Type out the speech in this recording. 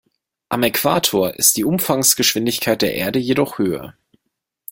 Am Äquator ist die Umfangsgeschwindigkeit der Erde jedoch höher.